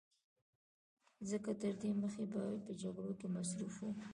ځکه تر دې مخکې به په جګړو کې مصروف و